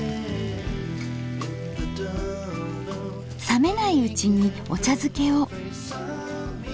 冷めないうちにお茶づけを。